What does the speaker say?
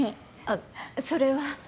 あっそれは。